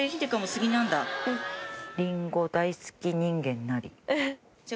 「りんご大好き人間なり」。